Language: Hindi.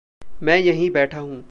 मैं यहीं बैठा हूँ।